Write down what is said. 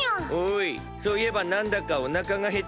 おいそういえばなんだかおなかが減ったワン。